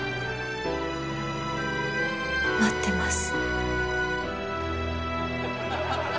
待ってます。